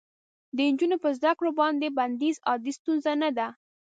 د نجونو په زده کړو باندې بندیز عادي ستونزه نه ده.